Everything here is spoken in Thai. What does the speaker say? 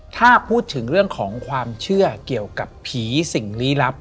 ถ้าพูดถึงเรื่องของความเชื่อเกี่ยวกับผีสิ่งลี้ลับ